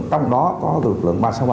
trong đó có lực lượng ba trăm sáu mươi bảy